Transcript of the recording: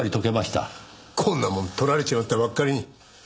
こんなもん撮られちまったばっかりに。